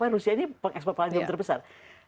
rusia ini ekspor palladium terbesar